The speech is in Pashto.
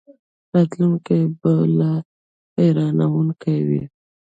راتلونکی به لا حیرانوونکی وي.